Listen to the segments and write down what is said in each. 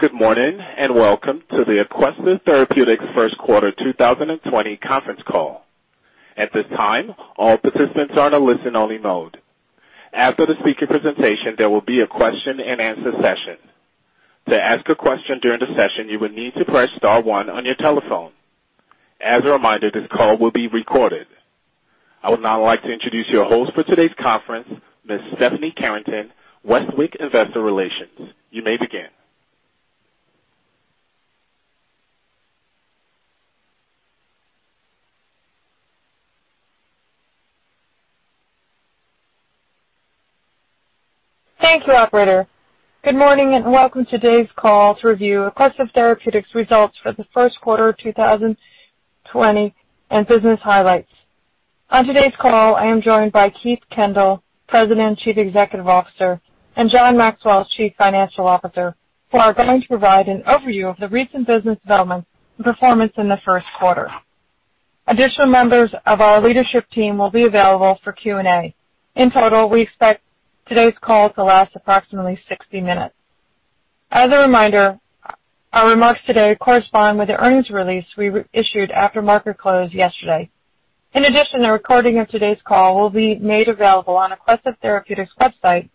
Good morning, and Welcome to the Aquestive Therapeutics first quarter 2020 conference call. At this time, all participants are in a listen-only mode. After the speaker presentation, there will be a question and answer session. To ask a question during the session, you will need to press star one on your telephone. As a reminder, this call will be recorded. I would now like to introduce your host for today's conference, Ms. Stephanie Carrington, Westwicke Investor Relations. You may begin. Thank you, operator. Welcome to today's call to review Aquestive Therapeutics results for the first quarter 2020, and business highlights. On today's call, I am joined by Keith Kendall, President, Chief Executive Officer, and John Maxwell, Chief Financial Officer, who are going to provide an overview of the recent business developments and performance in the first quarter. Additional members of our leadership team will be available for Q&A. In total, we expect today's call to last approximately 60 minutes. As a reminder, our remarks today correspond with the earnings release we issued after market close yesterday. The recording of today's call will be made available on Aquestive Therapeutics' website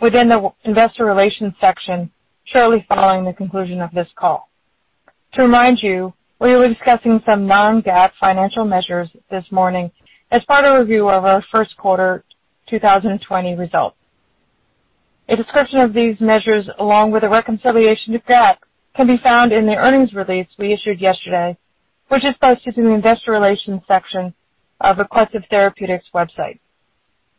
within the investor relations section shortly following the conclusion of this call. To remind you, we will be discussing some non-GAAP financial measures this morning as part of a review of our first quarter 2020 results. A description of these measures, along with a reconciliation to GAAP, can be found in the earnings release we issued yesterday, which is posted in the investor relations section of Aquestive Therapeutics' website.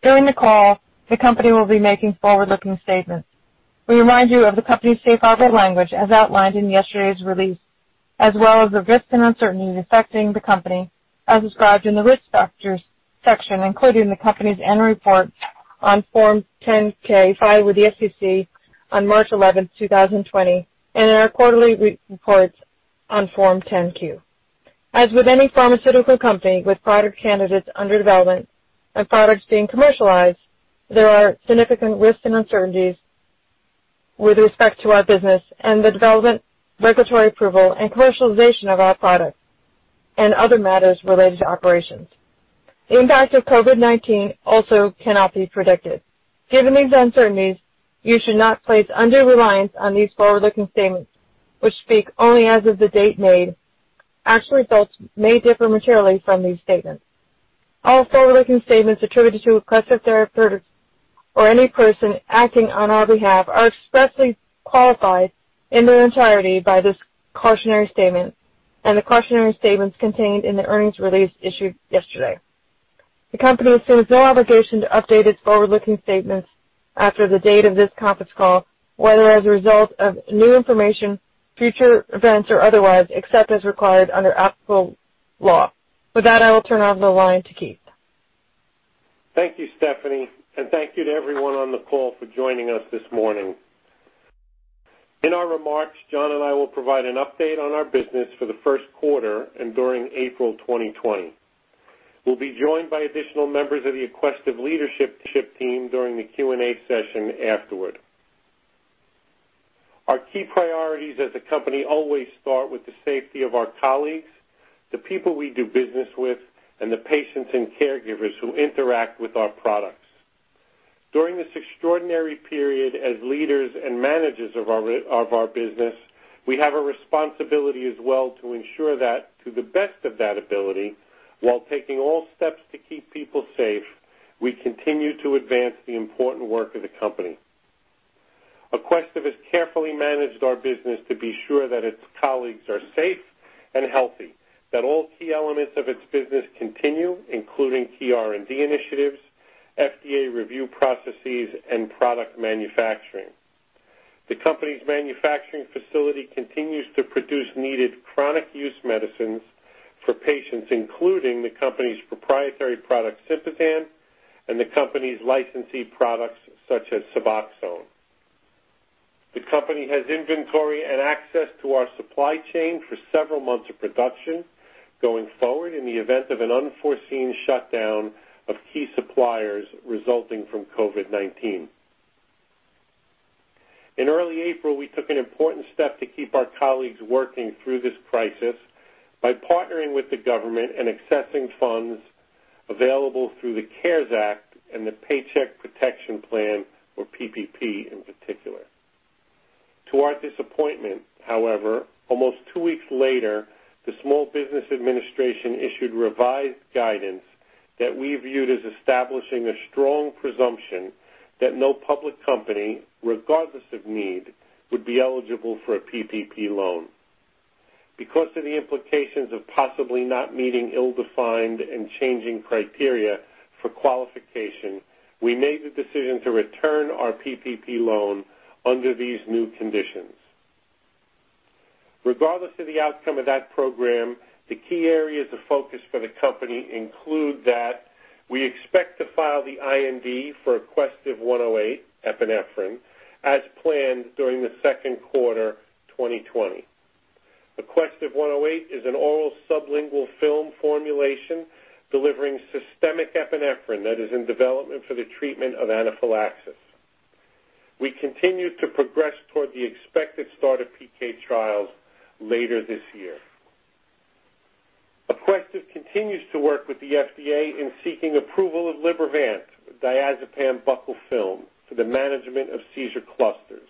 During the call, the company will be making forward-looking statements. We remind you of the company's safe harbor language as outlined in yesterday's release, as well as the risks and uncertainties affecting the company as described in the risk factors section, including the company's annual report on Form 10-K filed with the SEC on March 11th, 2020, and in our quarterly reports on Form 10-Q. As with any pharmaceutical company with product candidates under development and products being commercialized, there are significant risks and uncertainties with respect to our business and the development, regulatory approval, and commercialization of our products, and other matters related to operations. The impact of COVID-19 also cannot be predicted. Given these uncertainties, you should not place undue reliance on these forward-looking statements, which speak only as of the date made. Actual results may differ materially from these statements. All forward-looking statements attributed to Aquestive Therapeutics or any person acting on our behalf are expressly qualified in their entirety by this cautionary statement and the cautionary statements contained in the earnings release issued yesterday. The company assumes no obligation to update its forward-looking statements after the date of this conference call, whether as a result of new information, future events, or otherwise, except as required under applicable law. With that, I will turn over the line to Keith. Thank you, Stephanie, and thank you to everyone on the call for joining us this morning. In our remarks, John and I will provide an update on our business for the first quarter and during April 2020. We'll be joined by additional members of the Aquestive leadership team during the Q&A session afterward. Our key priorities as a company always start with the safety of our colleagues, the people we do business with, and the patients and caregivers who interact with our products. During this extraordinary period as leaders and managers of our business, we have a responsibility as well to ensure that to the best of that ability, while taking all steps to keep people safe, we continue to advance the important work of the company. Aquestive has carefully managed our business to be sure that its colleagues are safe and healthy, that all key elements of its business continue, including key R&D initiatives, FDA review processes, and product manufacturing. The company's manufacturing facility continues to produce needed chronic use medicines for patients, including the company's proprietary product, SYMPAZAN, and the company's licensee products, such as Suboxone. The company has inventory and access to our supply chain for several months of production going forward in the event of an unforeseen shutdown of key suppliers resulting from COVID-19. In early April, we took an important step to keep our colleagues working through this crisis by partnering with the government and accessing funds available through the CARES Act and the Paycheck Protection Program, or PPP, in particular. To our disappointment, however, almost two weeks later, the Small Business Administration issued revised guidance that we viewed as establishing a strong presumption that no public company, regardless of need, would be eligible for a PPP loan. Because of the implications of possibly not meeting ill-defined and changing criteria for qualification, we made the decision to return our PPP loan under these new conditions. Regardless of the outcome of that program, the key areas of focus for the company include that we expect to file the IND for AQST-108 epinephrine as planned during the second quarter 2020. AQST-108 is an oral sublingual film formulation delivering systemic epinephrine that is in development for the treatment of anaphylaxis. We continue to progress toward the expected start of PK trials later this year. Aquestive continues to work with the FDA in seeking approval of Libervant, diazepam buccal film, for the management of seizure clusters.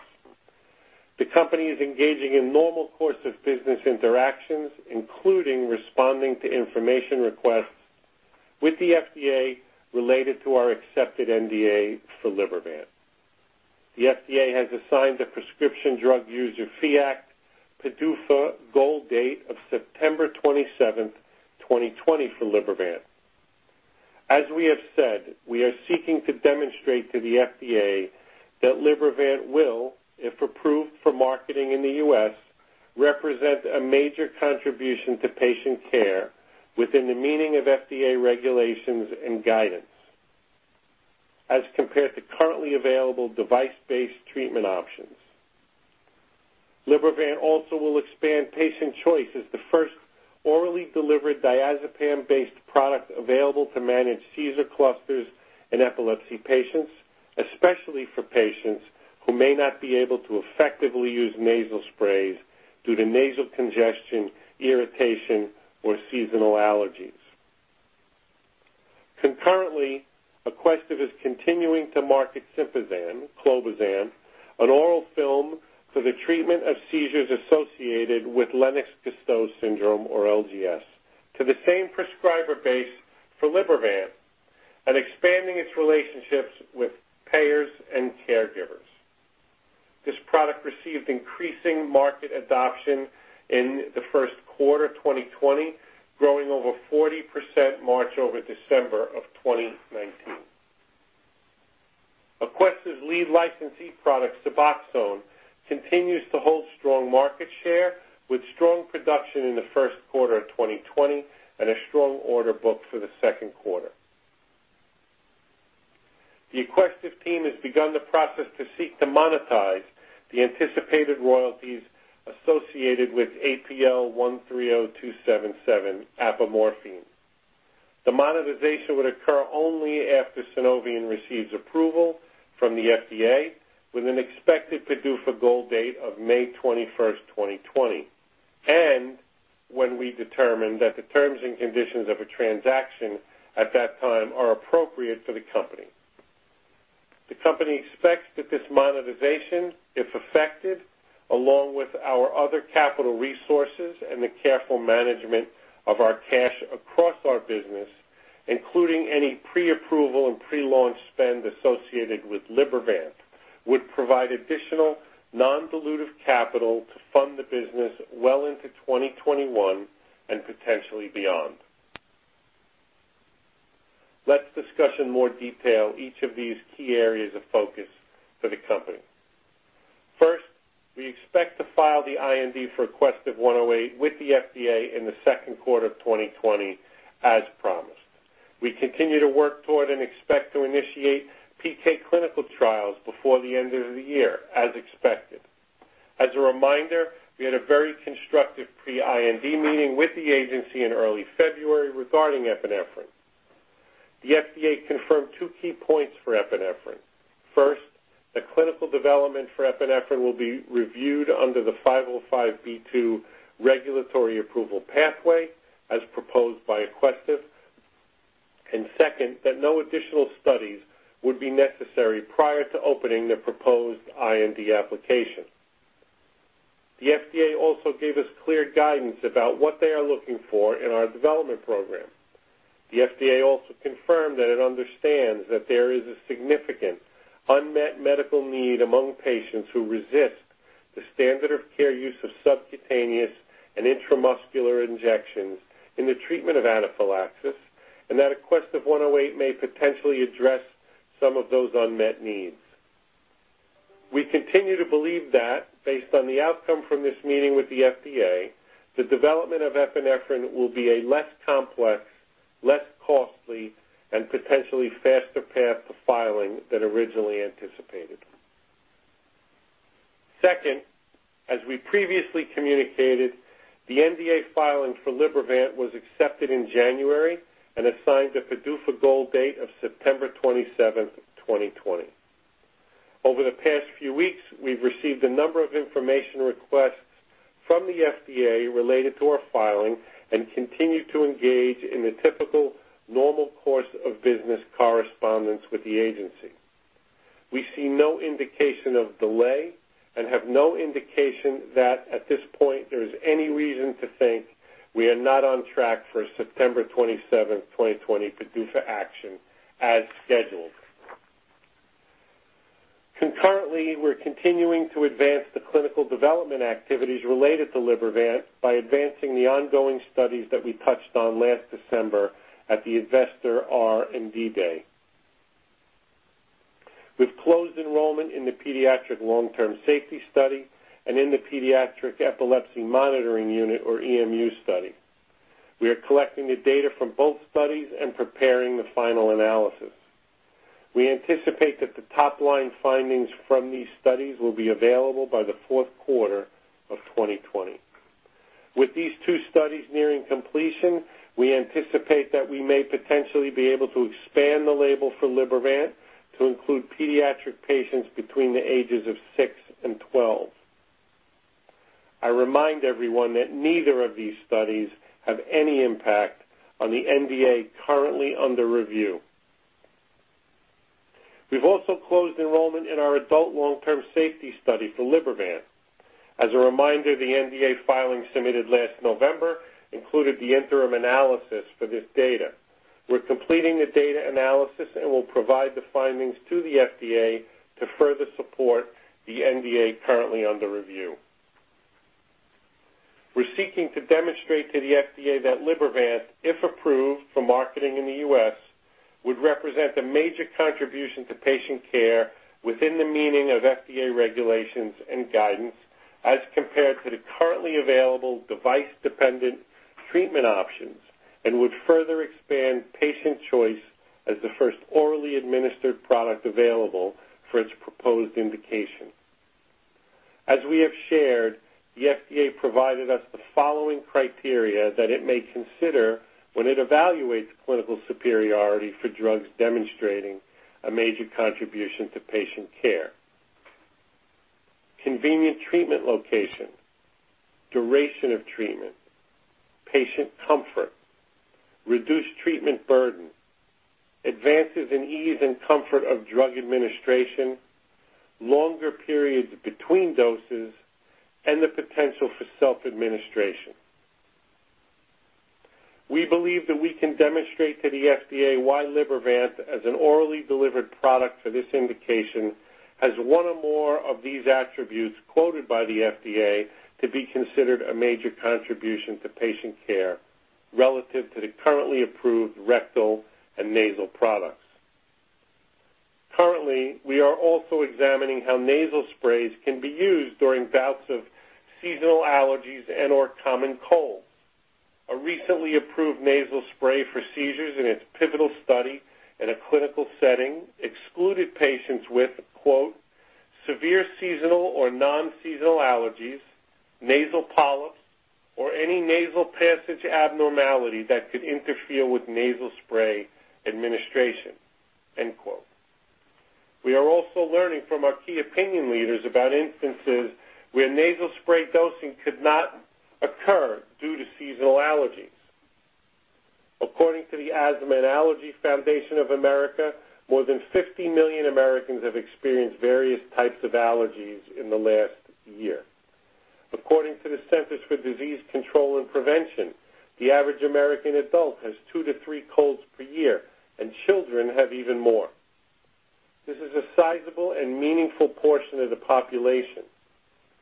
The company is engaging in normal course of business interactions, including responding to information requests with the FDA related to our accepted NDA for Libervant. The FDA has assigned a Prescription Drug User Fee Act, PDUFA, goal date of September 27th, 2020 for Libervant. As we have said, we are seeking to demonstrate to the FDA that Libervant will, if approved for marketing in the U.S., represent a major contribution to patient care within the meaning of FDA regulations and guidance as compared to currently available device-based treatment options. Libervant also will expand patient choice as the first orally delivered diazepam-based product available to manage seizure clusters in epilepsy patients, especially for patients who may not be able to effectively use nasal sprays due to nasal congestion, irritation, or seasonal allergies. Concurrently, Aquestive is continuing to market SYMPAZAN, clobazam, an oral film for the treatment of seizures associated with Lennox-Gastaut Syndrome, or LGS, to the same prescriber base for Libervant and expanding its relationships with payers and caregivers. This product received increasing market adoption in the first quarter 2020, growing over 40% March over December of 2019. Aquestive's lead licensee product, Suboxone, continues to hold strong market share with strong production in the first quarter of 2020 and a strong order book for the second quarter. The Aquestive team has begun the process to seek to monetize the anticipated royalties associated with APL-130277 apomorphine. The monetization would occur only after Sunovion receives approval from the FDA with an expected PDUFA goal date of May 21st, 2020, and when we determine that the terms and conditions of a transaction at that time are appropriate for the company. The company expects that this monetization, if effective, along with our other capital resources and the careful management of our cash across our business, including any pre-approval and pre-launch spend associated with Libervant, would provide additional non-dilutive capital to fund the business well into 2021 and potentially beyond. Let's discuss in more detail each of these key areas of focus for the company. First, we expect to file the IND for AQST-108 with the FDA in the second quarter of 2020, as promised. We continue to work toward and expect to initiate PK clinical trials before the end of the year, as expected. As a reminder, we had a very constructive pre-IND meeting with the agency in early February regarding epinephrine. The FDA confirmed two key points for epinephrine. First, the clinical development for epinephrine will be reviewed under the 505(b)(2) regulatory approval pathway as proposed by Aquestive. Second, that no additional studies would be necessary prior to opening the proposed IND application. The FDA also gave us clear guidance about what they are looking for in our development program. The FDA also confirmed that it understands that there is a significant unmet medical need among patients who resist the standard of care use of subcutaneous and intramuscular injections in the treatment of anaphylaxis, and that AQST-108 may potentially address some of those unmet needs. We continue to believe that based on the outcome from this meeting with the FDA, the development of epinephrine will be a less complex, less costly, and potentially faster path to filing than originally anticipated. Second, as we previously communicated, the NDA filing for Libervant was accepted in January and assigned a PDUFA goal date of September 27th, 2020. Over the past few weeks, we've received a number of information requests from the FDA related to our filing and continue to engage in the typical normal course of business correspondence with the agency. We see no indication of delay and have no indication that at this point there is any reason to think we are not on track for a September 27th, 2020 PDUFA action as scheduled. Concurrently, we're continuing to advance the clinical development activities related to Libervant by advancing the ongoing studies that we touched on last December at the Investor R&D Day. We've closed enrollment in the pediatric long-term safety study and in the pediatric epilepsy monitoring unit, or EMU study. We are collecting the data from both studies and preparing the final analysis. We anticipate that the top-line findings from these studies will be available by the fourth quarter of 2020. With these two studies nearing completion, we anticipate that we may potentially be able to expand the label for Libervant to include pediatric patients between the ages of six and 12. I remind everyone that neither of these studies have any impact on the NDA currently under review. We've also closed enrollment in our adult long-term safety study for Libervant. As a reminder, the NDA filing submitted last November included the interim analysis for this data. We're completing the data analysis and will provide the findings to the FDA to further support the NDA currently under review. We're seeking to demonstrate to the FDA that Libervant, if approved for marketing in the U.S., would represent a major contribution to patient care within the meaning of FDA regulations and guidance as compared to the currently available device-dependent treatment options and would further expand patient choice as the first orally administered product available for its proposed indication. As we have shared, the FDA provided us the following criteria that it may consider when it evaluates clinical superiority for drugs demonstrating a major contribution to patient care. Convenient treatment location, duration of treatment, patient comfort, reduced treatment burden, advances in ease and comfort of drug administration, longer periods between doses, and the potential for self-administration. We believe that we can demonstrate to the FDA why Libervant, as an orally delivered product for this indication, has one or more of these attributes quoted by the FDA to be considered a major contribution to patient care relative to the currently approved rectal and nasal products. Currently, we are also examining how nasal sprays can be used during bouts of seasonal allergies and/or common cold. A recently approved nasal spray for seizures in its pivotal study in a clinical setting excluded patients with "severe seasonal or non-seasonal allergies, nasal polyps, or any nasal passage abnormality that could interfere with nasal spray administration." We are also learning from our key opinion leaders about instances where nasal spray dosing could not occur due to seasonal allergies. According to the Asthma and Allergy Foundation of America, more than 50 million Americans have experienced various types of allergies in the last year. According to the Centers for Disease Control and Prevention, the average American adult has two to three colds per year, and children have even more. This is a sizable and meaningful portion of the population.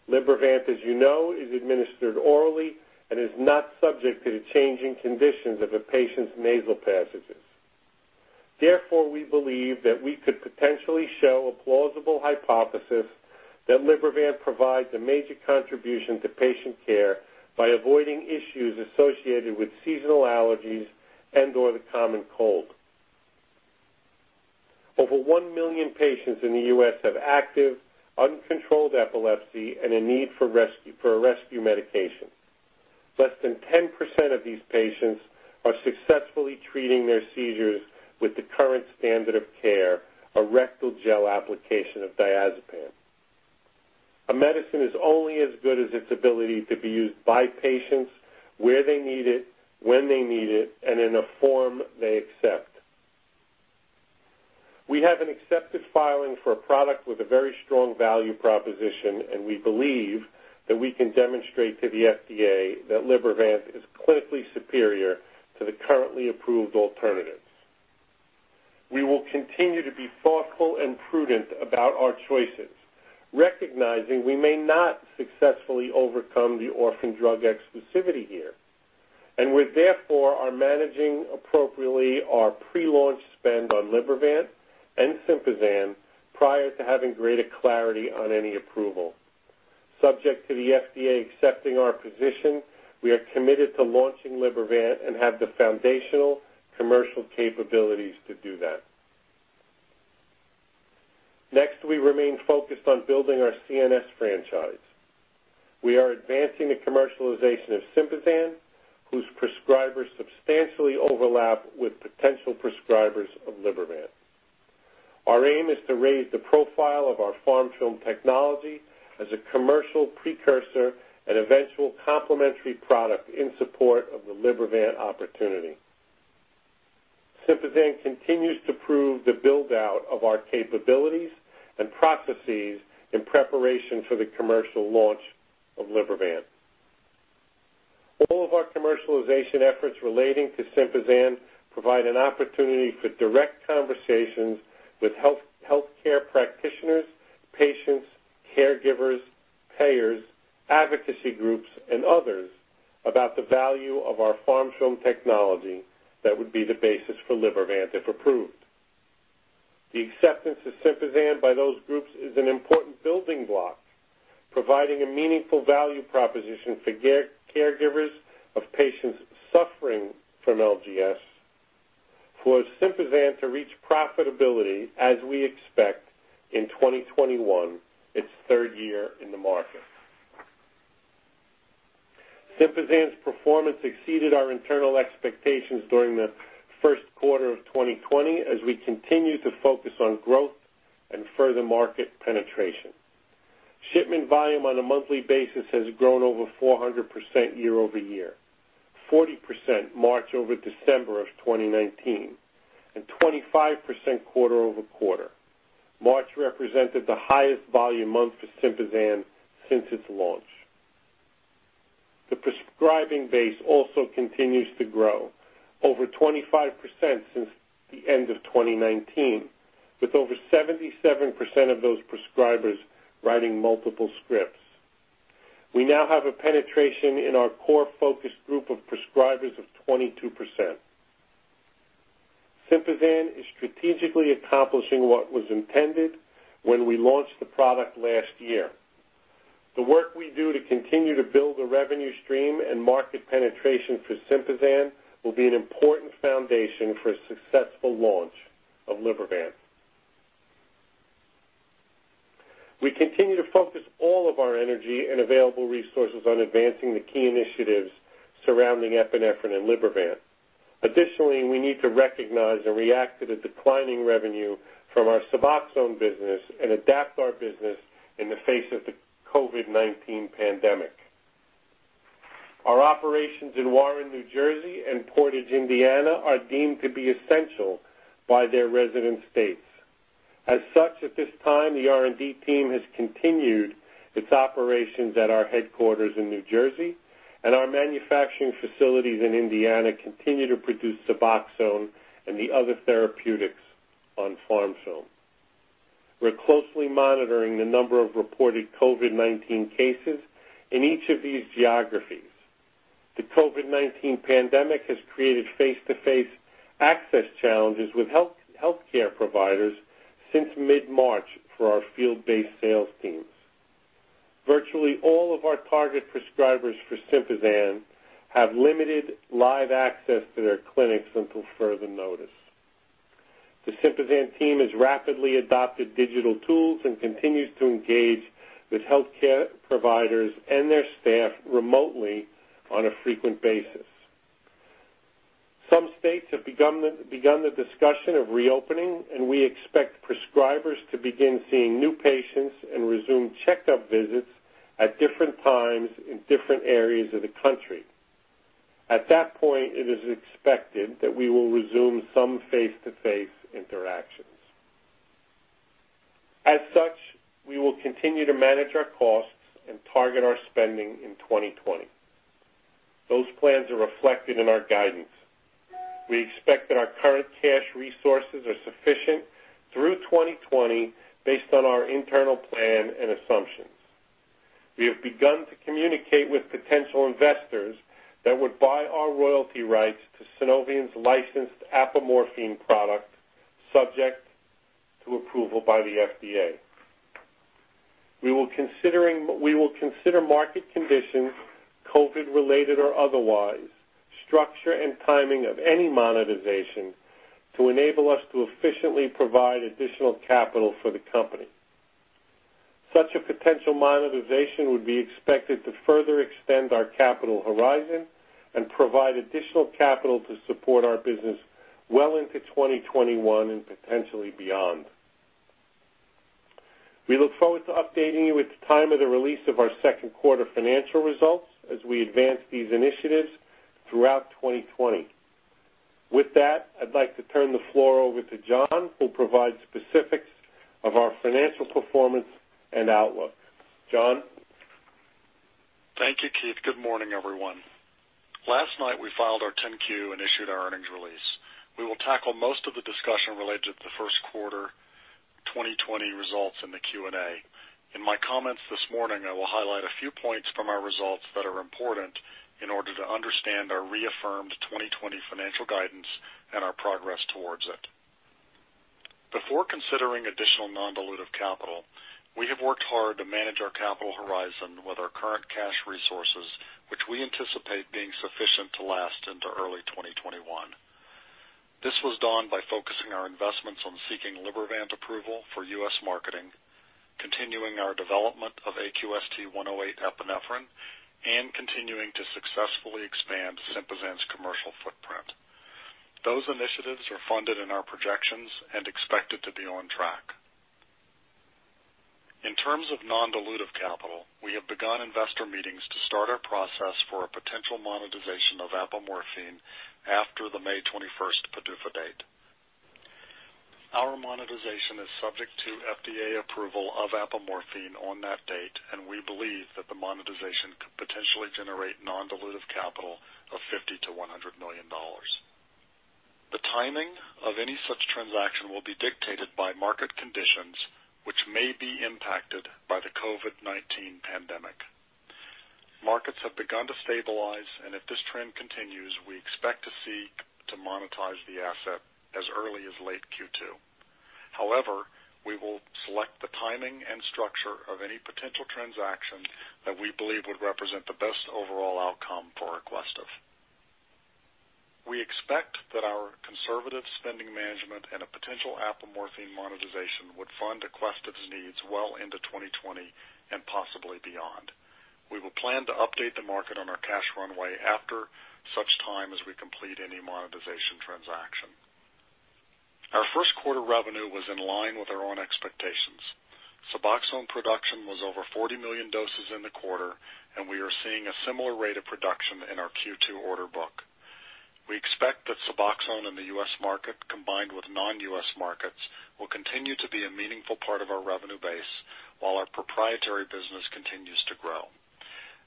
Libervant, as you know, is administered orally and is not subject to the changing conditions of a patient's nasal passages. Therefore, we believe that we could potentially show a plausible hypothesis that Libervant provides a major contribution to patient care by avoiding issues associated with seasonal allergies and/or the common cold. Over 1 million patients in the U.S. have active, uncontrolled epilepsy and a need for a rescue medication. Less than 10% of these patients are successfully treating their seizures with the current standard of care, a rectal gel application of diazepam. A medicine is only as good as its ability to be used by patients where they need it, when they need it, and in a form they accept. We have an accepted filing for a product with a very strong value proposition, and we believe that we can demonstrate to the FDA that Libervant is clinically superior to the currently approved alternatives. We will continue to be thoughtful and prudent about our choices, recognizing we may not successfully overcome the Orphan Drug Exclusivity here, and we therefore are managing appropriately our pre-launch spend on Libervant and SYMPAZAN prior to having greater clarity on any approval. Subject to the FDA accepting our position, we are committed to launching Libervant and have the foundational commercial capabilities to do that. Next, we remain focused on building our CNS franchise. We are advancing the commercialization of SYMPAZAN, whose prescribers substantially overlap with potential prescribers of Libervant. Our aim is to raise the profile of our PharmFilm technology as a commercial precursor and eventual complementary product in support of the Libervant opportunity. SYMPAZAN continues to prove the build-out of our capabilities and processes in preparation for the commercial launch of Libervant. All of our commercialization efforts relating to SYMPAZAN provide an opportunity for direct conversations with healthcare practitioners, patients, caregivers, payers, advocacy groups, and others about the value of our PharmFilm technology that would be the basis for Libervant, if approved. The acceptance of SYMPAZAN by those groups is an important building block providing a meaningful value proposition for caregivers of patients suffering from LGS, for SYMPAZAN to reach profitability as we expect in 2021, its third year in the market. SYMPAZAN's performance exceeded our internal expectations during the first quarter of 2020, as we continue to focus on growth and further market penetration. Shipment volume on a monthly basis has grown over 400% year-over-year, 40% March over December of 2019, and 25% quarter-over-quarter. March represented the highest volume month for SYMPAZAN since its launch. The prescribing base also continues to grow, over 25% since the end of 2019, with over 77% of those prescribers writing multiple scripts. We now have a penetration in our core focus group of prescribers of 22%. SYMPAZAN is strategically accomplishing what was intended when we launched the product last year. The work we do to continue to build a revenue stream and market penetration for SYMPAZAN will be an important foundation for a successful launch of Libervant. We continue to focus all of our energy and available resources on advancing the key initiatives surrounding epinephrine and Libervant. We need to recognize and react to the declining revenue from our Suboxone business and adapt our business in the face of the COVID-19 pandemic. Our operations in Warren, New Jersey, and Portage, Indiana, are deemed to be essential by their resident states. As such, at this time, the R&D team has continued its operations at our headquarters in New Jersey, and our manufacturing facilities in Indiana continue to produce Suboxone and the other therapeutics on PharmFilm. We're closely monitoring the number of reported COVID-19 cases in each of these geographies. The COVID-19 pandemic has created face-to-face access challenges with healthcare providers since mid-March for our field-based sales teams. Virtually all of our target prescribers for SYMPAZAN have limited live access to their clinics until further notice. The SYMPAZAN team has rapidly adopted digital tools and continues to engage with healthcare providers and their staff remotely on a frequent basis. Some states have begun the discussion of reopening, and we expect prescribers to begin seeing new patients and resume checkup visits at different times in different areas of the country. At that point, it is expected that we will resume some face-to-face interactions. As such, we will continue to manage our costs and target our spending in 2020. Those plans are reflected in our guidance. We expect that our current cash resources are sufficient through 2020 based on our internal plan and assumptions. We have begun to communicate with potential investors that would buy our royalty rights to Sunovion's licensed apomorphine product, subject to approval by the FDA. We will consider market conditions, COVID-related or otherwise, structure and timing of any monetization to enable us to efficiently provide additional capital for the company. Such a potential monetization would be expected to further extend our capital horizon and provide additional capital to support our business well into 2021 and potentially beyond. We look forward to updating you at the time of the release of our second quarter financial results as we advance these initiatives throughout 2020. With that, I'd like to turn the floor over to John, who'll provide specifics of our financial performance and outlook. John? Thank you, Keith. Good morning, everyone. Last night, we filed our 10-Q and issued our earnings release. We will tackle most of the discussion related to the first quarter 2020 results in the Q&A. In my comments this morning, I will highlight a few points from our results that are important in order to understand our reaffirmed 2020 financial guidance and our progress towards it. Before considering additional non-dilutive capital, we have worked hard to manage our capital horizon with our current cash resources, which we anticipate being sufficient to last into early 2021. This was done by focusing our investments on seeking Libervant approval for U.S. marketing, continuing our development of AQST-108 epinephrine, and continuing to successfully expand SYMPAZAN's commercial footprint. Those initiatives are funded in our projections and expected to be on track. In terms of non-dilutive capital, we have begun investor meetings to start our process for a potential monetization of apomorphine after the May 21st PDUFA date. Our monetization is subject to FDA approval of apomorphine on that date, and we believe that the monetization could potentially generate non-dilutive capital of $50 million-$100 million. The timing of any such transaction will be dictated by market conditions, which may be impacted by the COVID-19 pandemic. Markets have begun to stabilize, and if this trend continues, we expect to seek to monetize the asset as early as late Q2. However, we will select the timing and structure of any potential transaction that we believe would represent the best overall outcome for Aquestive. We expect that our conservative spending management and a potential apomorphine monetization would fund Aquestive's needs well into 2020 and possibly beyond. We will plan to update the market on our cash runway after such time as we complete any monetization transaction. Our first quarter revenue was in line with our own expectations. Suboxone production was over 40 million doses in the quarter, and we are seeing a similar rate of production in our Q2 order book. We expect that Suboxone in the U.S. market, combined with non-U.S. markets, will continue to be a meaningful part of our revenue base while our proprietary business continues to grow.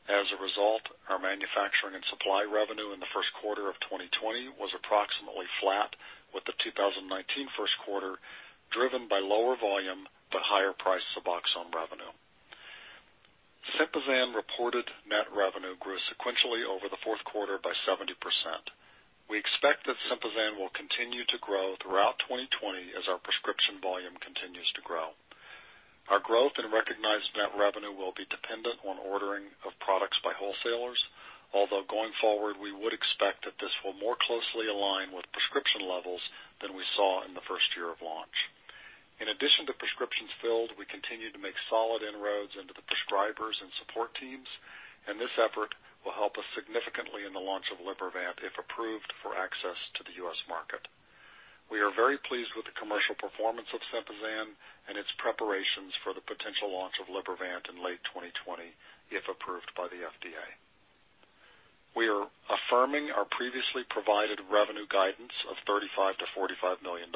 As a result, our manufacturing and supply revenue in the first quarter of 2020 was approximately flat with the 2019 first quarter, driven by lower volume but higher price Suboxone revenue. SYMPAZAN reported net revenue grew sequentially over the fourth quarter by 70%. We expect that SYMPAZAN will continue to grow throughout 2020 as our prescription volume continues to grow. Our growth in recognized net revenue will be dependent on ordering of products by wholesalers. Although going forward, we would expect that this will more closely align with prescription levels than we saw in the first year of launch. In addition to prescriptions filled, we continue to make solid inroads into the prescribers and support teams, and this effort will help us significantly in the launch of Libervant if approved for access to the U.S. market. We are very pleased with the commercial performance of SYMPAZAN and its preparations for the potential launch of Libervant in late 2020, if approved by the FDA. We are affirming our previously provided revenue guidance of $35 million-$45 million.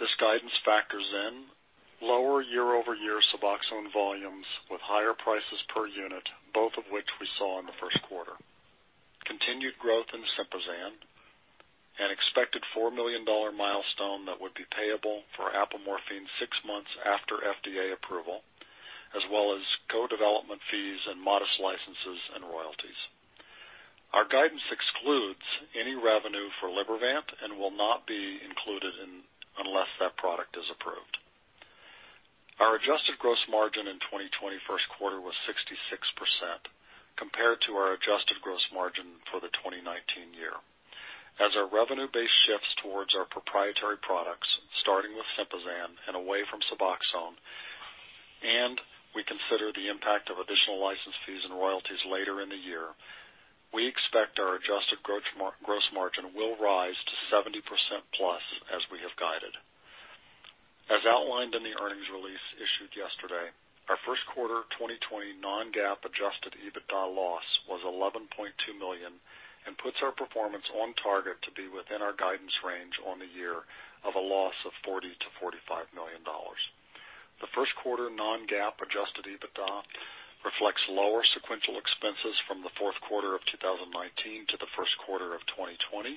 This guidance factors in lower year-over-year Suboxone volumes with higher prices per unit, both of which we saw in the first quarter, continued growth in SYMPAZAN, an expected $4 million milestone that would be payable for apomorphine six months after FDA approval, as well as co-development fees and modest licenses and royalties. Our guidance excludes any revenue for Libervant and will not be included unless that product is approved. Our adjusted gross margin in 2020 first quarter was 66%, compared to our adjusted gross margin for the 2019 year. As our revenue base shifts towards our proprietary products, starting with SYMPAZAN and away from Suboxone, and we consider the impact of additional license fees and royalties later in the year, we expect our adjusted gross margin will rise to 70%+ as we have guided. As outlined in the earnings release issued yesterday, our first quarter 2020 non-GAAP adjusted EBITDA loss was $11.2 million and puts our performance on target to be within our guidance range on the year of a loss of $40 million-$45 million. The first quarter non-GAAP adjusted EBITDA reflects lower sequential expenses from the fourth quarter of 2019 to the first quarter of 2020.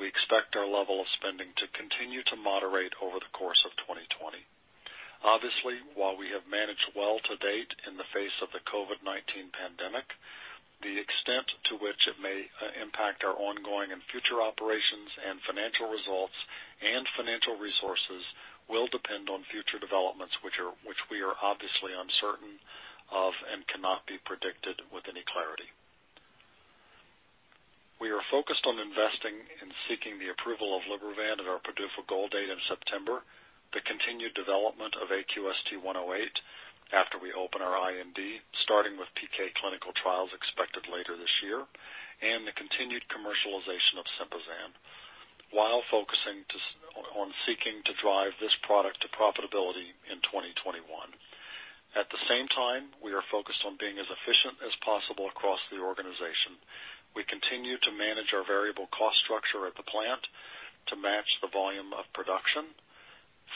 We expect our level of spending to continue to moderate over the course of 2020. Obviously, while we have managed well to date in the face of the COVID-19 pandemic, the extent to which it may impact our ongoing and future operations and financial results and financial resources will depend on future developments which we are obviously uncertain of and cannot be predicted with any clarity. We are focused on investing in seeking the approval of Libervant at our PDUFA goal date in September, the continued development of AQST-108 after we open our IND, starting with PK clinical trials expected later this year, and the continued commercialization of SYMPAZAN while focusing on seeking to drive this product to profitability in 2021. At the same time, we are focused on being as efficient as possible across the organization. We continue to manage our variable cost structure at the plant to match the volume of production,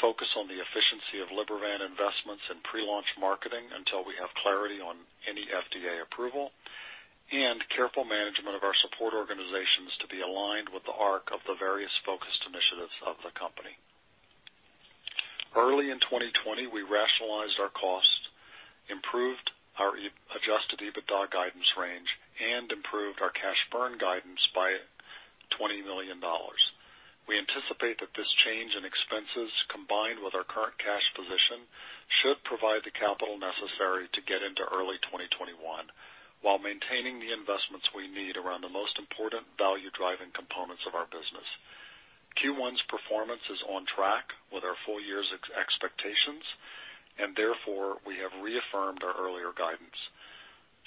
focus on the efficiency of Libervant investments in pre-launch marketing until we have clarity on any FDA approval, and careful management of our support organizations to be aligned with the arc of the various focused initiatives of the company. Early in 2020, we rationalized our costs, improved our adjusted EBITDA guidance range, and improved our cash burn guidance by $20 million. We anticipate that this change in expenses, combined with our current cash position, should provide the capital necessary to get into early 2021 while maintaining the investments we need around the most important value-driving components of our business. Q1's performance is on track with our full year's expectations. Therefore, we have reaffirmed our earlier guidance.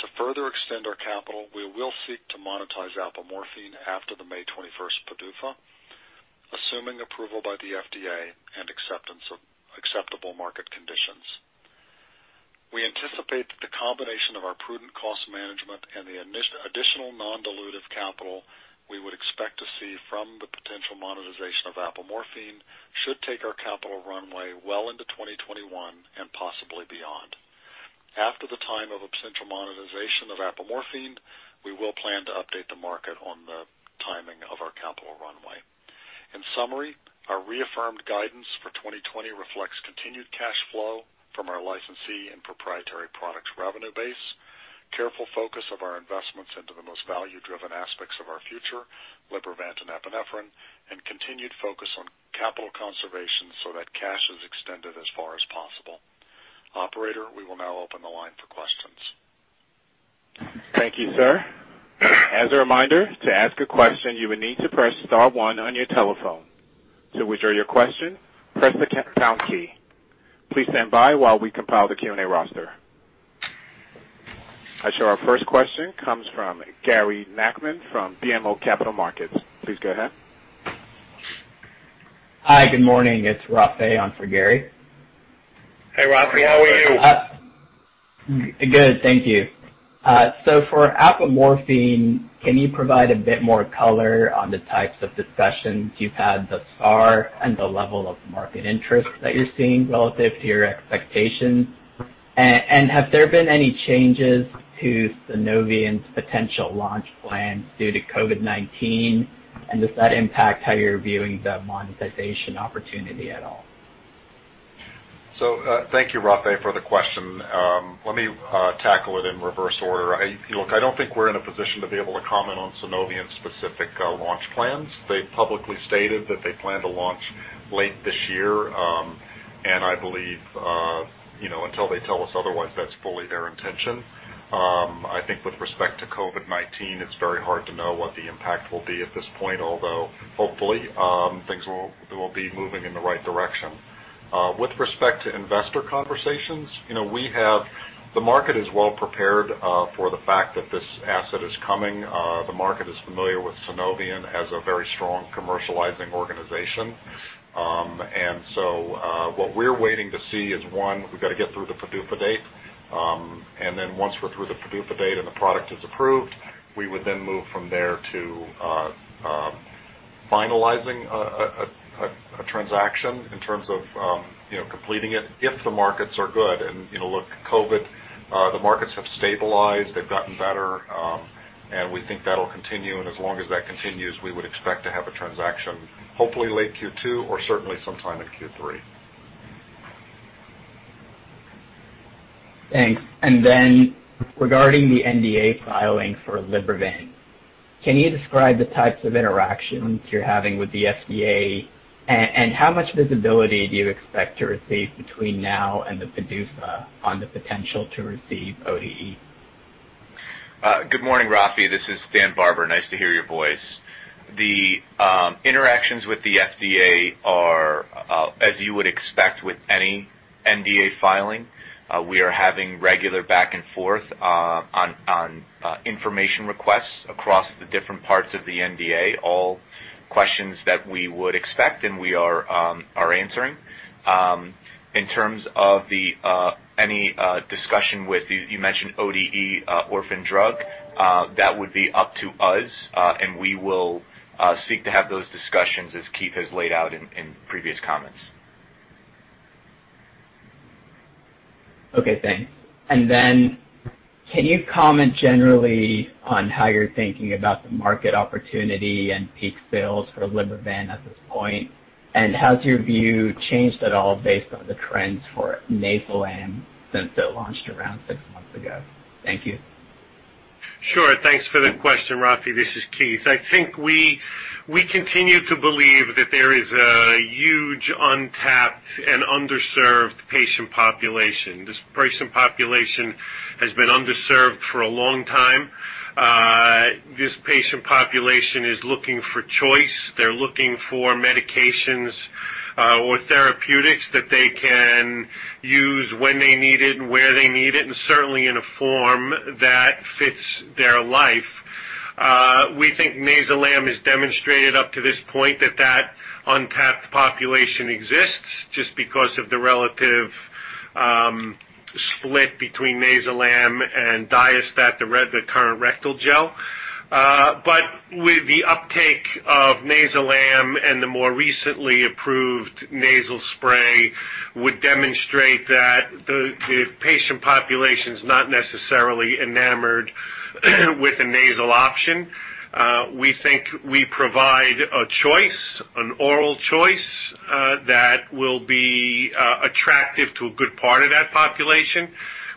To further extend our capital, we will seek to monetize apomorphine after the May 21st PDUFA, assuming approval by the FDA and acceptable market conditions. We anticipate that the combination of our prudent cost management and the additional non-dilutive capital we would expect to see from the potential monetization of apomorphine should take our capital runway well into 2021 and possibly beyond. After the time of potential monetization of apomorphine, we will plan to update the market on the timing of our capital runway. In summary, our reaffirmed guidance for 2020 reflects continued cash flow from our licensee and proprietary products revenue base, careful focus of our investments into the most value-driven aspects of our future, Libervant and epinephrine, and continued focus on capital conservation so that cash is extended as far as possible. Operator, we will now open the line for questions. Thank you, sir. As a reminder, to ask a question, you would need to press star one on your telephone. To withdraw your question, press the pound key. Please stand by while we compile the Q&A roster. I show our first question comes from Gary Nachman from BMO Capital Markets. Please go ahead. Hi, good morning. It's Raffi on for Gary. Hey, Raffi. How are you? Good, thank you. For apomorphine, can you provide a bit more color on the types of discussions you've had thus far and the level of market interest that you're seeing relative to your expectations? Have there been any changes to Sunovion's potential launch plans due to COVID-19? Does that impact how you're viewing the monetization opportunity at all? Thank you, Raffi, for the question. Let me tackle it in reverse order. Look, I don't think we're in a position to be able to comment on Sunovion's specific launch plans. They've publicly stated that they plan to launch late this year, and I believe, until they tell us otherwise, that's fully their intention. I think with respect to COVID-19, it's very hard to know what the impact will be at this point, although hopefully things will be moving in the right direction. With respect to investor conversations, the market is well prepared for the fact that this asset is coming. The market is familiar with Sunovion as a very strong commercializing organization. What we're waiting to see is, one, we've got to get through the PDUFA date. Then once we're through the PDUFA date and the product is approved, we would then move from there to finalizing a transaction in terms of completing it if the markets are good. Look, COVID, the markets have stabilized, they've gotten better, and we think that'll continue, and as long as that continues, we would expect to have a transaction hopefully late Q2 or certainly sometime in Q3. Thanks. Regarding the NDA filing for Libervant, can you describe the types of interactions you're having with the FDA? How much visibility do you expect to receive between now and the PDUFA on the potential to receive ODE? Good morning, Raffi. This is Dan Barber. Nice to hear your voice. The interactions with the FDA are as you would expect with any NDA filing. We are having regular back and forth on information requests across the different parts of the NDA, all questions that we would expect, and we are answering. In terms of any discussion with, you mentioned ODE, orphan drug, that would be up to us, and we will seek to have those discussions as Keith has laid out in previous comments. Okay, thanks. Can you comment generally on how you're thinking about the market opportunity and peak sales for Libervant at this point? Has your view changed at all based on the trends for NAYZILAM since it launched around six months ago? Thank you. Sure. Thanks for the question, Raffi. This is Keith. I think we continue to believe that there is a huge untapped and underserved patient population. This patient population has been underserved for a long time. This patient population is looking for choice. They're looking for medications or therapeutics that they can use when they need it, where they need it, and certainly in a form that fits their life. We think NAYZILAM has demonstrated up to this point that that untapped population exists just because of the relative split between NAYZILAM and Diastat, the current rectal gel. With the uptake of NAYZILAM and the more recently approved nasal spray would demonstrate that the patient population's not necessarily enamored with a nasal option. We think we provide a choice, an oral choice, that will be attractive to a good part of that population.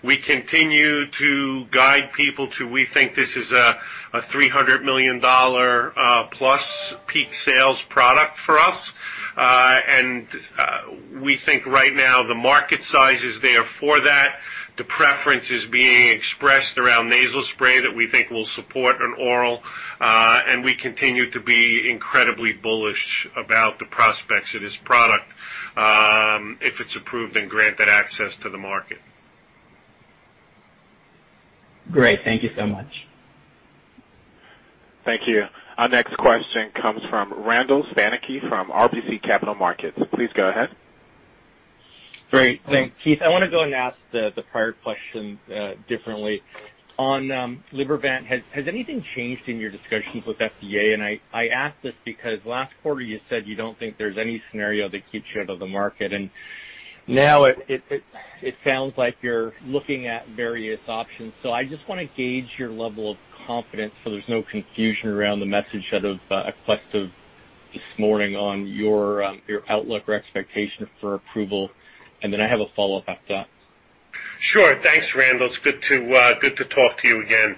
We continue to guide people, we think this is a $300 million+ peak sales product for us. We think right now the market size is there for that. The preference is being expressed around nasal spray that we think will support an oral, and we continue to be incredibly bullish about the prospects of this product if it's approved and granted access to the market. Great. Thank you so much. Thank you. Our next question comes from Randall Stanicky from RBC Capital Markets. Please go ahead. Great. Thanks. Keith, I want to go and ask the prior question differently. On Libervant, has anything changed in your discussions with FDA? I ask this because last quarter you said you don't think there's any scenario that keeps you out of the market, and now it sounds like you're looking at various options. I just want to gauge your level of confidence so there's no confusion around the message out of Aquestive this morning on your outlook or expectation for approval, and then I have a follow-up after that. Sure. Thanks, Randall. It's good to talk to you again.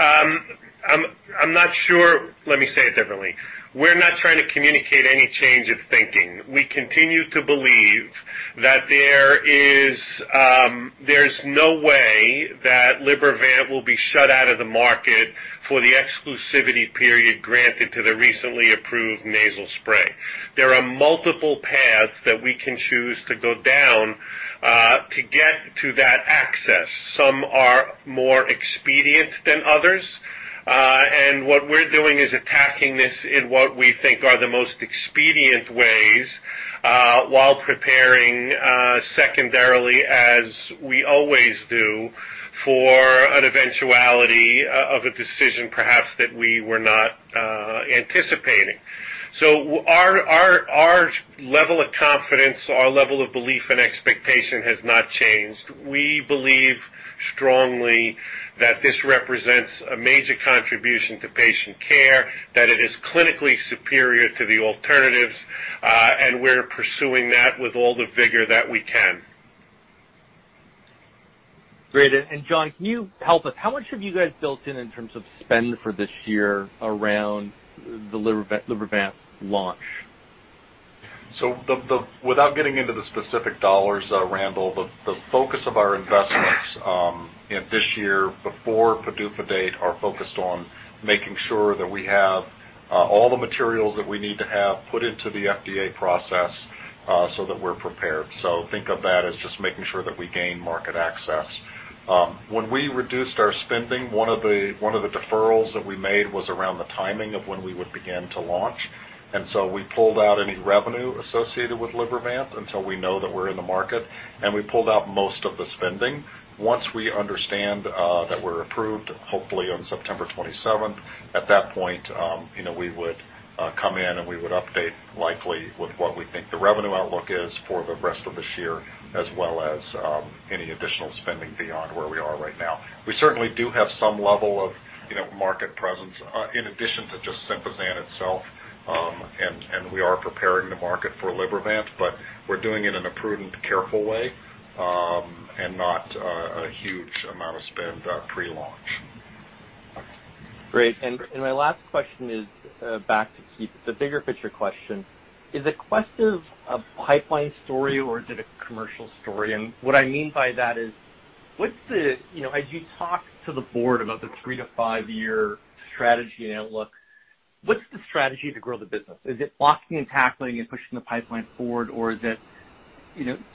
I'm not sure. Let me say it differently. We're not trying to communicate any change of thinking. We continue to believe that there's no way that Libervant will be shut out of the market for the exclusivity period granted to the recently approved nasal spray. There are multiple paths that we can choose to go down to get to that access. Some are more expedient than others. What we're doing is attacking this in what we think are the most expedient ways, while preparing secondarily, as we always do, for an eventuality of a decision, perhaps, that we were not anticipating. Our level of confidence, our level of belief and expectation has not changed. We believe strongly that this represents a major contribution to patient care, that it is clinically superior to the alternatives, and we're pursuing that with all the vigor that we can. Great. John, can you help us? How much have you guys built in in terms of spend for this year around the Libervant launch? Without getting into the specific dollars, Randall, the focus of our investments this year before PDUFA are focused on making sure that we have all the materials that we need to have put into the FDA process so that we're prepared. Think of that as just making sure that we gain market access. When we reduced our spending, one of the deferrals that we made was around the timing of when we would begin to launch. We pulled out any revenue associated with Libervant until we know that we're in the market, and we pulled out most of the spending. Once we understand that we're approved, hopefully on September 27th, at that point we would come in and we would update likely with what we think the revenue outlook is for the rest of this year, as well as any additional spending beyond where we are right now. We certainly do have some level of market presence, in addition to just SYMPAZAN itself. We are preparing the market for Libervant, but we're doing it in a prudent, careful way, and not a huge amount of spend pre-launch. Great. My last question is back to Keith the bigger picture question. Is Aquestive a pipeline story or is it a commercial story? What I mean by that is, as you talk to the board about the three to five-year strategy and outlook, what's the strategy to grow the business? Is it blocking and tackling and pushing the pipeline forward? Is it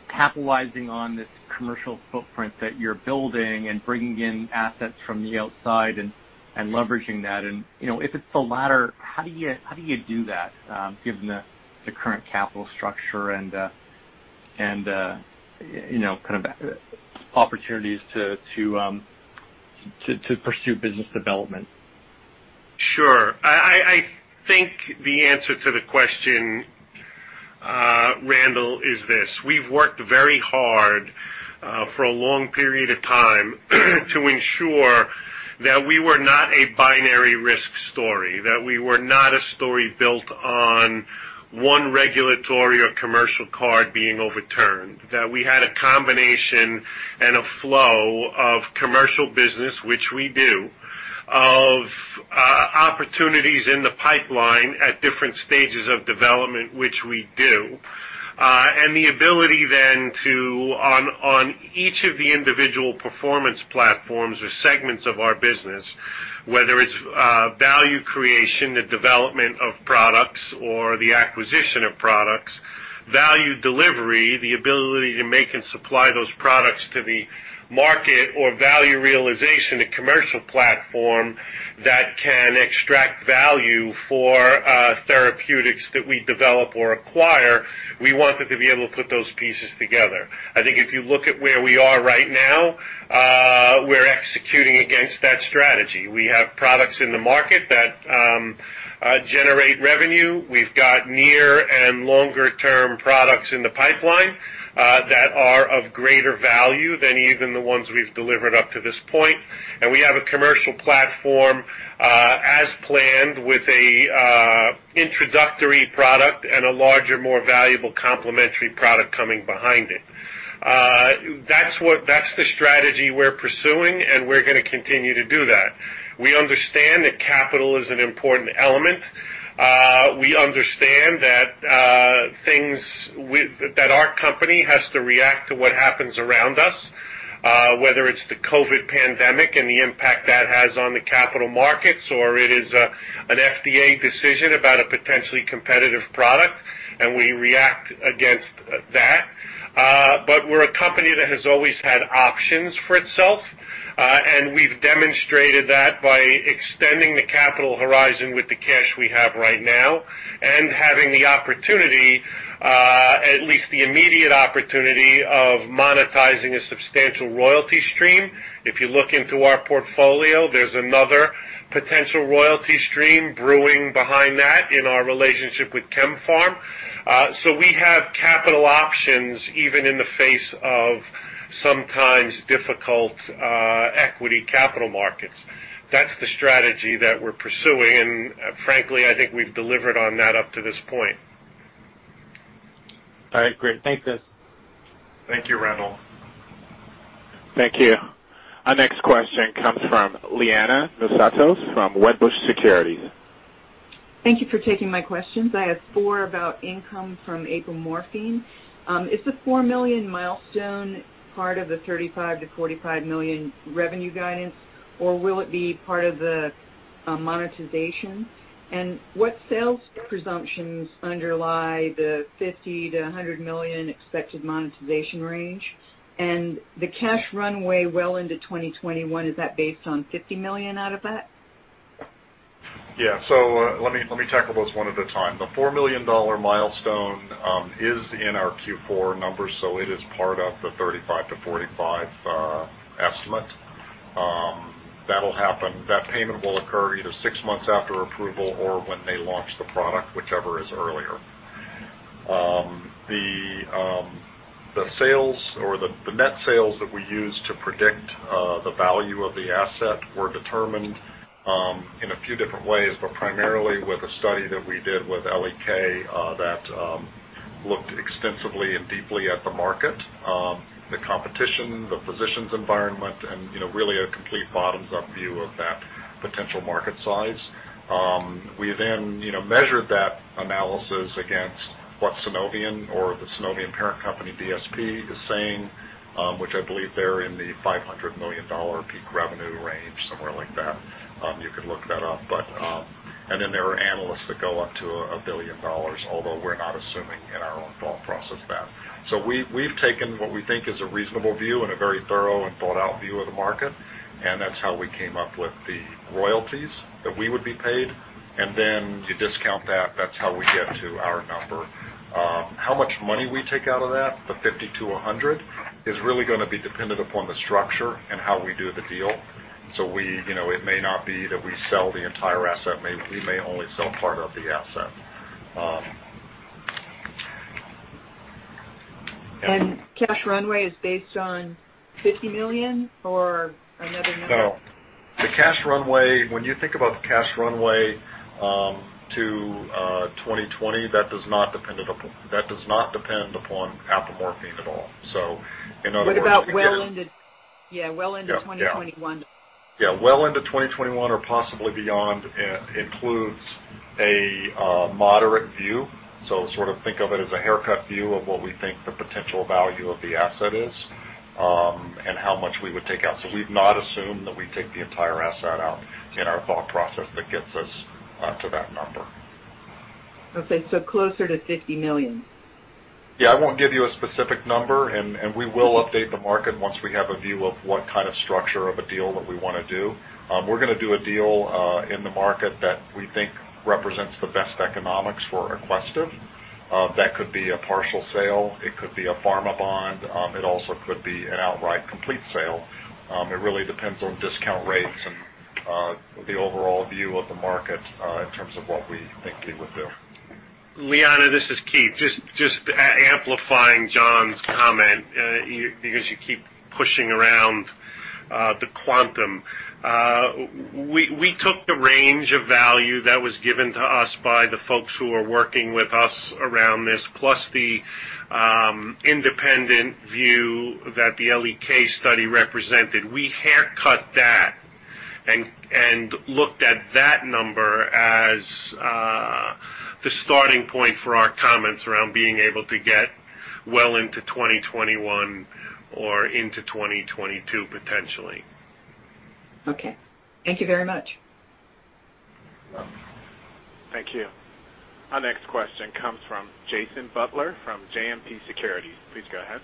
capitalizing on this commercial footprint that you're building and bringing in assets from the outside and leveraging that? If it's the latter, how do you do that given the current capital structure and kind of opportunities to pursue business development? Sure. I think the answer to the question, Randall, is this. We've worked very hard for a long period of time to ensure that we were not a binary risk story, that we were not a story built on one regulatory or commercial card being overturned, that we had a combination and a flow of commercial business, which we do, of opportunities in the pipeline at different stages of development, which we do, and the ability then to, on each of the individual performance platforms or segments of our business, whether it's value creation, the development of products, or the acquisition of products, value delivery, the ability to make and supply those products to the market or value realization, a commercial platform that can extract value for therapeutics that we develop or acquire. We wanted to be able to put those pieces together. I think if you look at where we are right now, we're executing against that strategy. We have products in the market that generate revenue. We've got near and longer-term products in the pipeline that are of greater value than even the ones we've delivered up to this point. We have a commercial platform, as planned, with an introductory product and a larger, more valuable complementary product coming behind it. That's the strategy we're pursuing, and we're going to continue to do that. We understand that capital is an important element. We understand that our company has to react to what happens around us, whether it's the COVID-19 pandemic and the impact that has on the capital markets, or it is an FDA decision about a potentially competitive product, and we react against that. We're a company that has always had options for itself, and we've demonstrated that by extending the capital horizon with the cash we have right now and having the opportunity, at least the immediate opportunity of monetizing a substantial royalty stream. If you look into our portfolio, there's another. Potential royalty stream brewing behind that in our relationship with KemPharm. We have capital options even in the face of sometimes difficult equity capital markets. That's the strategy that we're pursuing, and frankly, I think we've delivered on that up to this point. All right, great. Thanks, guys. Thank you, Randall. Thank you. Our next question comes from Liana Moussatos from Wedbush Securities. Thank you for taking my questions. I have four about income from apomorphine. Is the $4 million milestone part of the $35 million-$45 million revenue guidance, or will it be part of the monetization? What sales presumptions underlie the $50 million-$100 million expected monetization range? The cash runway well into 2021, is that based on $50 million out of that? Yeah. Let me tackle those one at a time. The $4 million milestone is in our Q4 numbers, so it is part of the $35-$45 estimate. That payment will occur either six months after approval or when they launch the product, whichever is earlier. The net sales that we use to predict the value of the asset were determined in a few different ways, but primarily with a study that we did with LEK that looked extensively and deeply at the market, the competition, the physicians environment, and really a complete bottoms-up view of that potential market size. We then measured that analysis against what Sunovion or the Sunovion parent company, DSP, is saying, which I believe they're in the $500 million peak revenue range, somewhere like that. You could look that up. There are analysts that go up to $1 billion, although we're not assuming that in our own thought process. We've taken what we think is a reasonable view and a very thorough and thought-out view of the market, and that's how we came up with the royalties that we would be paid. You discount that's how we get to our number. How much money we take out of that, the $50-$100, is really going to be dependent upon the structure and how we do the deal. It may not be that we sell the entire asset. We may only sell part of the asset. Cash runway is based on $50 million or another number? No. When you think about the cash runway to 2020, that does not depend upon apomorphine at all. What about, yeah, well into 2021? Yeah. Well into 2021 or possibly beyond includes a moderate view. Sort of think of it as a haircut view of what we think the potential value of the asset is, and how much we would take out. We've not assumed that we take the entire asset out in our thought process that gets us to that number. Okay, closer to $50 million. Yeah, I won't give you a specific number, and we will update the market once we have a view of what kind of structure of a deal that we want to do. We're going to do a deal in the market that we think represents the best economics for Aquestive. That could be a partial sale, it could be a pharma bond, it also could be an outright complete sale. It really depends on discount rates and the overall view of the market in terms of what we think it would do. Liana, this is Keith. Just amplifying John's comment, because you keep pushing around the quantum. We took the range of value that was given to us by the folks who are working with us around this, plus the independent view that the L.E.K. study represented. We haircut that and looked at that number as the starting point for our comments around being able to get well into 2021 or into 2022, potentially. Okay. Thank you very much. You're welcome. Thank you. Our next question comes from Jason Butler from JMP Securities. Please go ahead.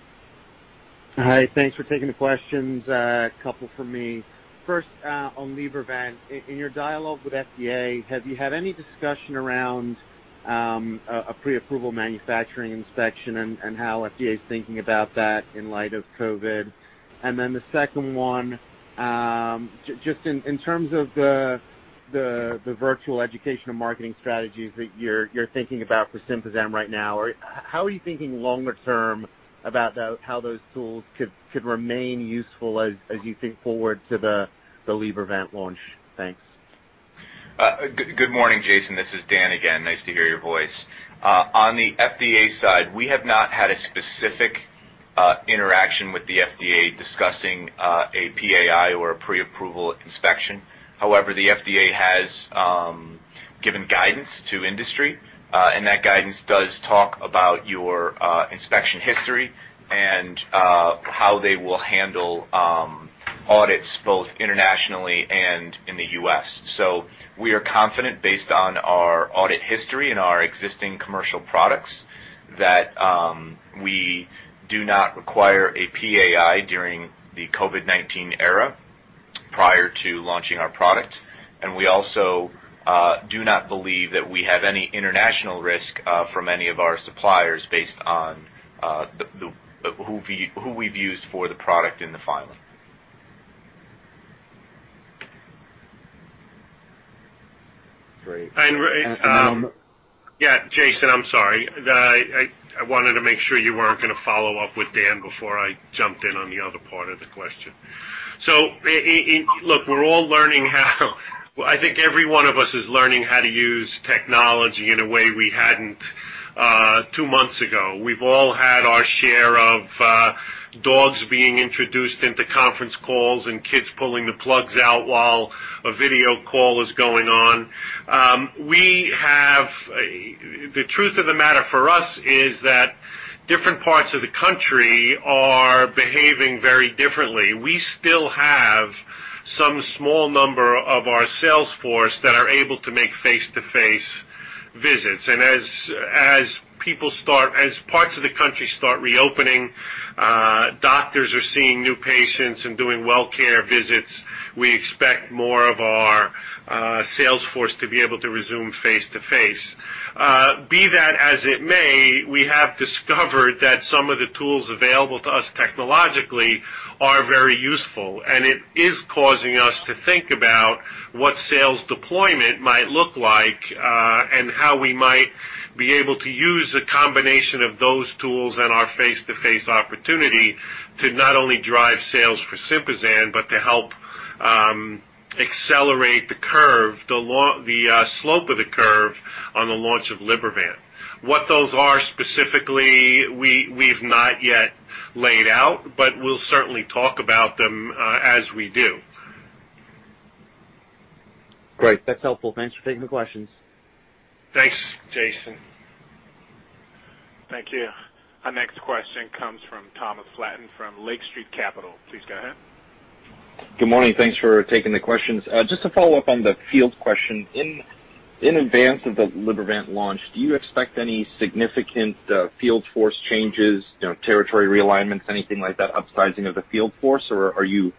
Hi. Thanks for taking the questions. A couple from me. First, on Libervant. In your dialogue with FDA, have you had any discussion around a pre-approval manufacturing inspection and how FDA's thinking about that in light of COVID? The second one, just in terms of the virtual education and marketing strategies that you're thinking about for SYMPAZAN right now, how are you thinking longer term about how those tools could remain useful as you think forward to the Libervant launch? Thanks. Good morning, Jason. This is Dan again. Nice to hear your voice. On the FDA side, we have not had a specific interaction with the FDA discussing a PAI or a pre-approval inspection. However, the FDA has given guidance to industry, and that guidance does talk about your inspection history and how they will handle audits both internationally and in the U.S. We are confident based on our audit history and our existing commercial products that we do not require a PAI during the COVID-19 era prior to launching our product. We also do not believe that we have any international risk from any of our suppliers based on who we've used for the product in the filing. Great. And, Ray- And then I'm- Yeah, Jason, I'm sorry. I wanted to make sure you weren't going to follow up with Dan before I jumped in on the other part of the question. Look, we're all learning how. I think every one of us is learning how to use technology in a way we hadn't two months ago. We've all had our share of dogs being introduced into conference calls and kids pulling the plugs out while a video call is going on. The truth of the matter for us is that different parts of the country are behaving very differently. We still have some small number of our sales force that are able to make face-to-face visits. As parts of the country start reopening, doctors are seeing new patients and doing well care visits. We expect more of our sales force to be able to resume face-to-face. Be that as it may, we have discovered that some of the tools available to us technologically are very useful. It is causing us to think about what sales deployment might look like, and how we might be able to use a combination of those tools and our face-to-face opportunity to not only drive sales for SYMPAZAN, but to help accelerate the slope of the curve on the launch of Libervant. What those are specifically, we've not yet laid out, but we'll certainly talk about them as we do. Great. That's helpful. Thanks for taking the questions. Thanks, Jason. Thank you. Our next question comes from Thomas Flaten from Lake Street Capital. Please go ahead. Good morning. Thanks for taking the questions. Just to follow up on the field question. In advance of the Libervant launch, do you expect any significant field force changes, territory realignments, anything like that, upsizing of the field force? Are you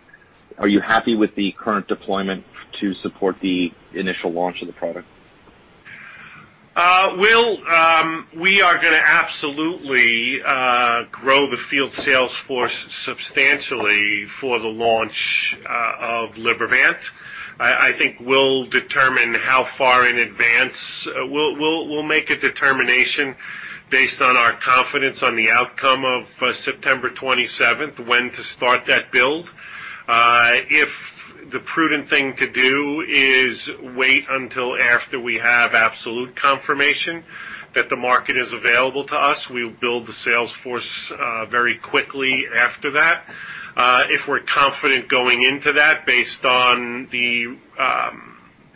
happy with the current deployment to support the initial launch of the product? We are going to absolutely grow the field sales force substantially for the launch of Libervant. I think we'll determine how far in advance. We'll make a determination based on our confidence on the outcome of September 27th, when to start that build. If the prudent thing to do is wait until after we have absolute confirmation that the market is available to us, we'll build the sales force very quickly after that. If we're confident going into that based on the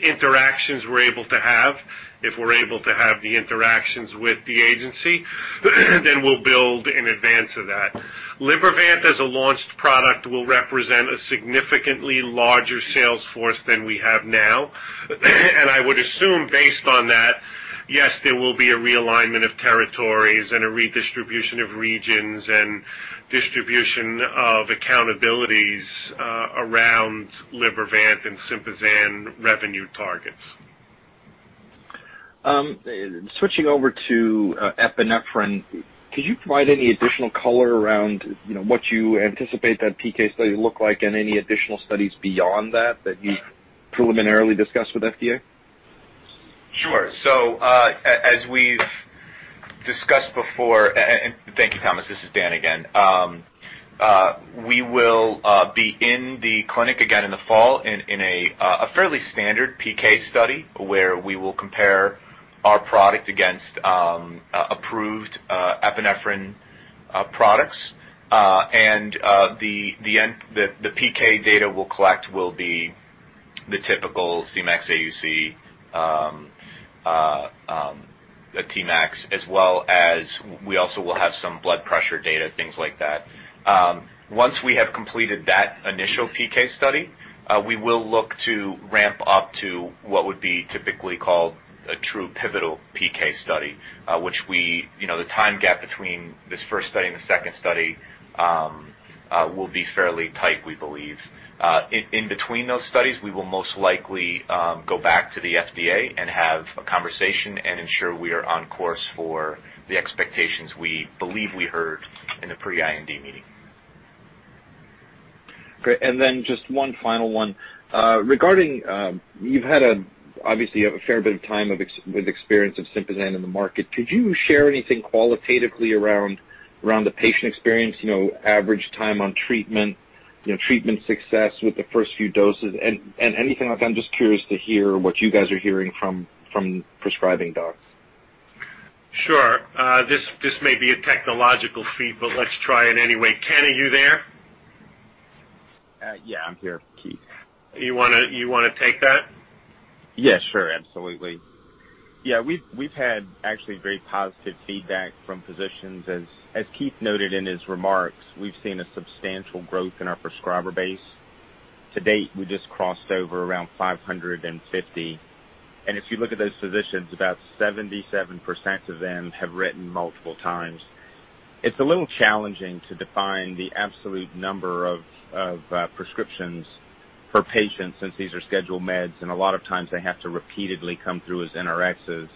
interactions we're able to have, if we're able to have the interactions with the agency, we'll build in advance of that. Libervant, as a launched product, will represent a significantly larger sales force than we have now. I would assume based on that, yes, there will be a realignment of territories and a redistribution of regions and distribution of accountabilities around Libervant and SYMPAZAN revenue targets. Switching over to epinephrine, could you provide any additional color around what you anticipate that PK study to look like and any additional studies beyond that you've preliminarily discussed with FDA? Sure. As we've discussed before, and thank you, Thomas, this is Dan Barber again. We will be in the clinic again in the fall in a fairly standard PK study where we will compare our product against approved epinephrine products. The PK data we'll collect will be the typical Cmax, AUC, Tmax, as well as we also will have some blood pressure data, things like that. Once we have completed that initial PK study, we will look to ramp up to what would be typically called a true pivotal PK study which the time gap between this first study and the second study will be fairly tight, we believe. In between those studies, we will most likely go back to the FDA and have a conversation and ensure we are on course for the expectations we believe we heard in the pre-IND meeting. Great. Just one final one. You've had obviously a fair bit of time with experience of SYMPAZAN in the market. Could you share anything qualitatively around the patient experience, average time on treatment success with the first few doses, and anything like that? I'm just curious to hear what you guys are hearing from prescribing docs. Sure. This may be a technological feat, but let's try it anyway. Ken, are you there? Yeah, I'm here, Keith. You want to take that? Yeah, sure. Absolutely. We've had actually very positive feedback from physicians. As Keith noted in his remarks, we've seen a substantial growth in our prescriber base. To date, we just crossed over around 550. If you look at those physicians, about 77% of them have written multiple times. It's a little challenging to define the absolute number of prescriptions per patient since these are scheduled meds, and a lot of times they have to repeatedly come through as Rx's.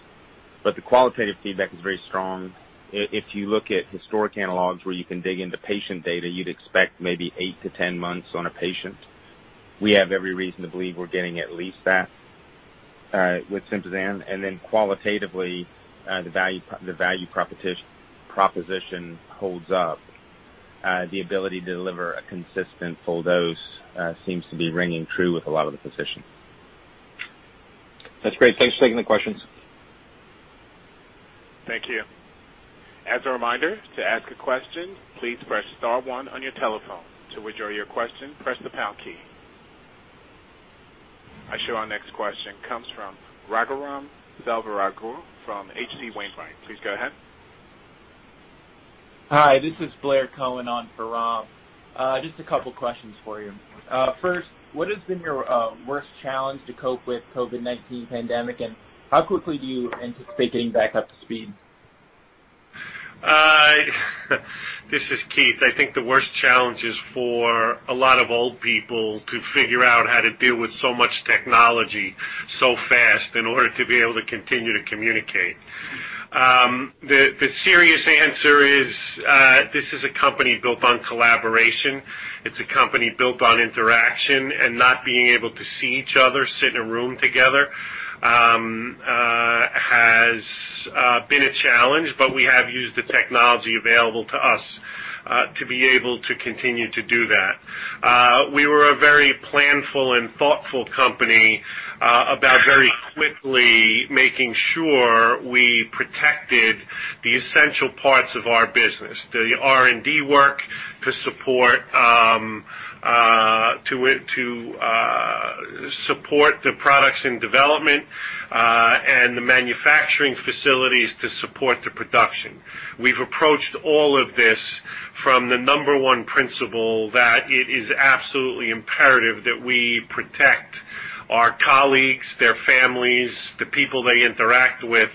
The qualitative feedback is very strong. If you look at historic analogs where you can dig into patient data, you'd expect maybe eight-10 months on a patient. We have every reason to believe we're getting at least that with SYMPAZAN, qualitatively, the value proposition holds up. The ability to deliver a consistent full dose seems to be ringing true with a lot of the physicians. That's great. Thanks for taking the questions. Thank you. As a reminder, to ask a question, please press star one on your telephone. To withdraw your question, press the pound key. I show our next question comes from Raghuram Selvaraju from HC Wainwright. Please go ahead. Hi, this is Blair Cohen on for Ram. Just a couple questions for you. First, what has been your worst challenge to cope with COVID-19 pandemic, and how quickly do you anticipate getting back up to speed? This is Keith. I think the worst challenge is for a lot of old people to figure out how to deal with so much technology so fast in order to be able to continue to communicate. The serious answer is, this is a company built on collaboration. It's a company built on interaction, and not being able to see each other, sit in a room together, has been a challenge. We have used the technology available to us, to be able to continue to do that. We were a very planful and thoughtful company, about very quickly making sure we protected the essential parts of our business, the R&D work to support the products in development, and the manufacturing facilities to support the production. We've approached all of this from the number one principle that it is absolutely imperative that we protect our colleagues, their families, the people they interact with,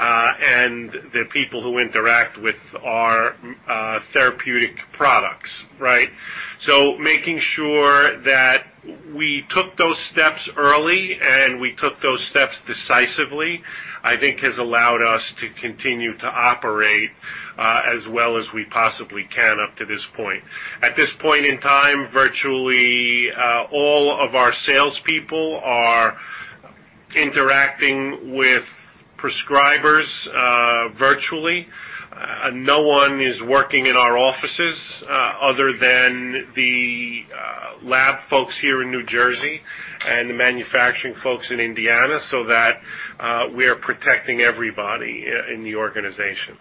and the people who interact with our therapeutic products, right? Making sure that we took those steps early and we took those steps decisively, I think has allowed us to continue to operate as well as we possibly can up to this point. At this point in time, virtually all of our salespeople are interacting with prescribers virtually. No one is working in our offices other than the lab folks here in New Jersey and the manufacturing folks in Indiana, so that we are protecting everybody in the organization.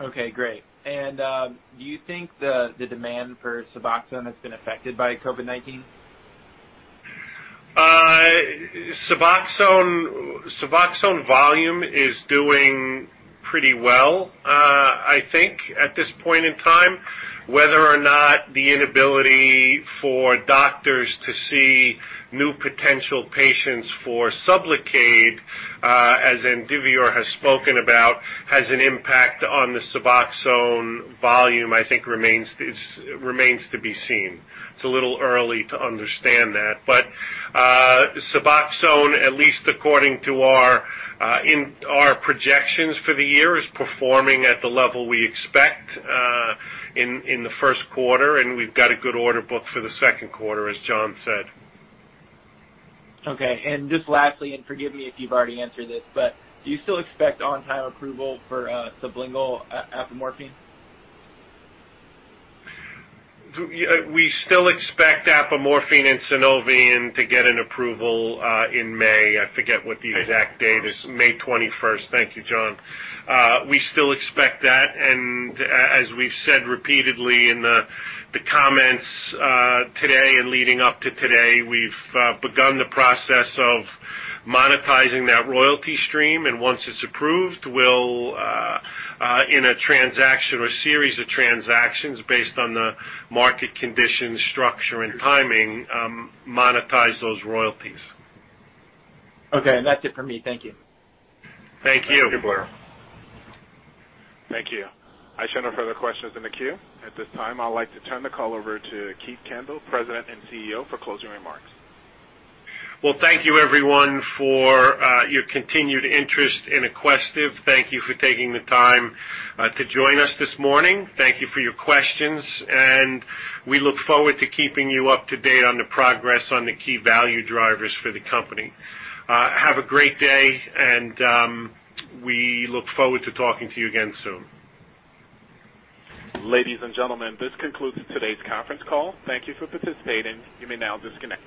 Okay, great. Do you think the demand for Suboxone has been affected by COVID-19? Suboxone volume is doing pretty well, I think, at this point in time. Whether or not the inability for doctors to see new potential patients for SUBLOCADE, as Indivior has spoken about, has an impact on the Suboxone volume, I think remains to be seen. It's a little early to understand that. Suboxone, at least according to our projections for the year, is performing at the level we expect in the first quarter, and we've got a good order book for the second quarter, as John said. Okay. Just lastly, forgive me if you've already answered this, do you still expect on-time approval for sublingual apomorphine? We still expect apomorphine and Sunovion to get an approval in May. I forget what the exact date is. May 21st. May 21st. Thank you, John. We still expect that, and as we've said repeatedly in the comments today and leading up to today, we've begun the process of monetizing that royalty stream. Once it's approved, we'll, in a transaction or series of transactions, based on the market conditions, structure, and timing, monetize those royalties. Okay. That's it for me. Thank you. Thank you. Thank you, Blair. Thank you. I show no further questions in the queue. At this time, I'd like to turn the call over to Keith Kendall, President and CEO, for closing remarks. Well, thank you everyone for your continued interest in Aquestive. Thank you for taking the time to join us this morning. Thank you for your questions, and we look forward to keeping you up to date on the progress on the key value drivers for the company. Have a great day, and we look forward to talking to you again soon. Ladies and gentlemen, this concludes today's conference call. Thank you for participating. You may now disconnect.